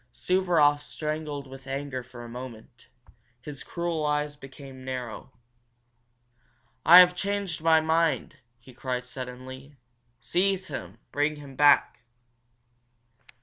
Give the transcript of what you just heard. Suvaroff strangled with anger for a moment. His cruel eyes became narrow. "I have changed my mind!" he cried, suddenly. "Seize him! Bring him back!"